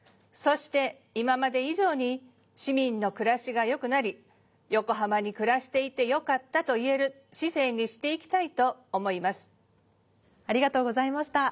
そして今まで以上に市民の暮らしが良くなり「横浜に暮らしていて良かった」と言える市政にしていきたいと思います。